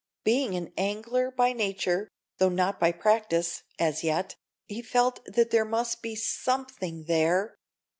Being an angler by nature, though not by practice, (as yet), he felt that there must be something there.